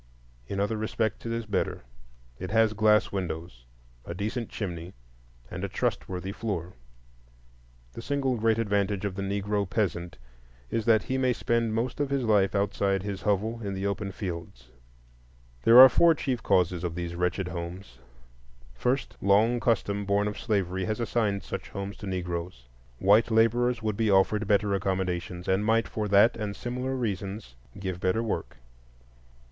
In other respects it is better; it has glass windows, a decent chimney, and a trustworthy floor. The single great advantage of the Negro peasant is that he may spend most of his life outside his hovel, in the open fields. There are four chief causes of these wretched homes: First, long custom born of slavery has assigned such homes to Negroes; white laborers would be offered better accommodations, and might, for that and similar reasons, give better work.